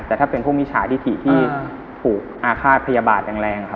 แต่ถ้าเป็นพวกมิจฉาธิที่ถูกอาฆาตพยาบาทแรง